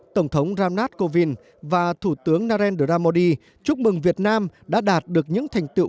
tổng thống ramnath kovind và thủ tướng narendra modi chúc mừng việt nam đã đạt được những thành tiệu